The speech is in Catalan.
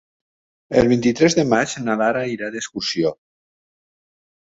El vint-i-tres de maig na Lara irà d'excursió.